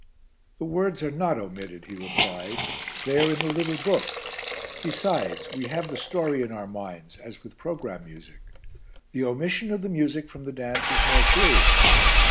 "The words are not omitted," he replied; "they are in the little book. Besides, we have the story in our minds as with programme music. The omission of the music from the dance is more serious.